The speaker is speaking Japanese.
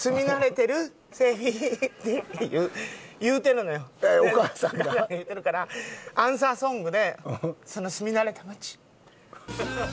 お母さんが？ってお母さんが言うてるからアンサーソングで「住み慣れた街」。